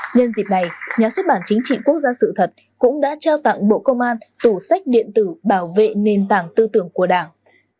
nhân dịp này nhà xuất bản chính trị quốc gia sự thật cũng đã trao tặng bộ công an tủ sách điện tử bảo vệ nền tảng tư tưởng của đảng